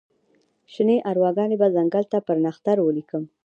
شني ارواګانې به ځنګل ته پر نښتر ولیکم